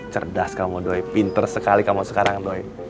cerdas kamu doi pinter sekali kamu sekarang doi